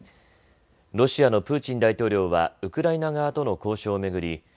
ロシアのプーチン大統領はウクライナ側との交渉を巡り